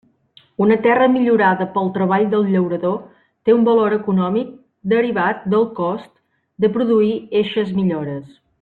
Una terra millorada pel treball del llaurador té un valor econòmic derivat del cost de produir eixes millores.